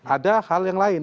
ada hal yang lain